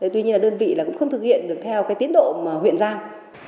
tuy nhiên đơn vị cũng không thực hiện được theo tiến độ huyện giang